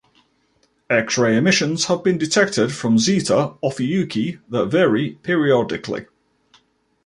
X-ray emissions have been detected from Zeta Ophiuchi that vary periodically.